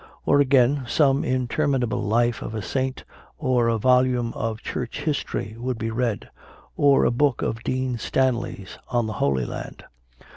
Or, again, some interminable life of a saint or a volume of Church history would be read; or a book of Dean Stanley s on the Holy Land.